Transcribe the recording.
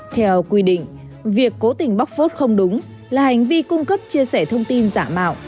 theo quy định việc cố tình bóc phốt không đúng là hành vi cung cấp chia sẻ thông tin giả mạo